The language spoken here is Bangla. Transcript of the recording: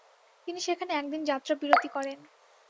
তিনি সেখানে একদিন যাত্রা বিরতি করেন।